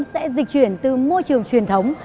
sẽ dịch chuyển từ môi trường truyền thống